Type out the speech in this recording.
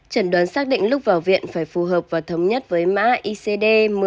chẩn đoán xác định lúc vào viện phải phù hợp và thống nhất với mã icd một mươi